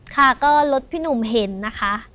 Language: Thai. ค่ะก็รถพี่หนุ่มเห็นนะคะ